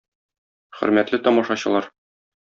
Хөрмәтле тамашачылар!